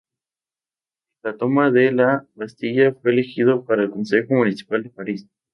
Tras la Toma de la Bastilla fue elegido para el Consejo Municipal de París.